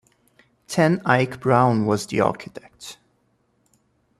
Ten Eyck Brown was the architect.